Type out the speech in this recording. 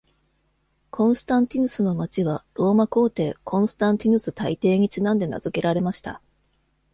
コンスタンティヌスの町は、ローマ皇帝コンスタンティヌス大帝にちなんで名付けられました。